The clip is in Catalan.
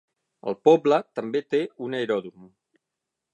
El poble també té un aeròdrom.